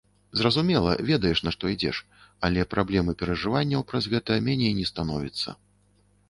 Зразумела, ведаеш, на што ідзеш, але праблем і перажыванняў праз гэта меней не становіцца.